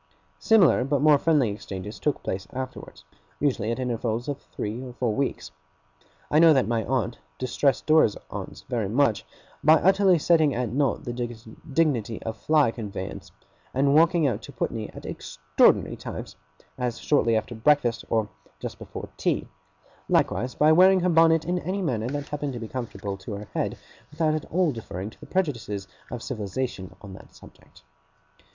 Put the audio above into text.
Similar but more friendly exchanges took place afterwards, usually at intervals of three or four weeks. I know that my aunt distressed Dora's aunts very much, by utterly setting at naught the dignity of fly conveyance, and walking out to Putney at extraordinary times, as shortly after breakfast or just before tea; likewise by wearing her bonnet in any manner that happened to be comfortable to her head, without at all deferring to the prejudices of civilization on that subject.